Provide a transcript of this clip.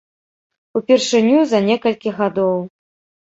Упершыню за некалькі гадоў.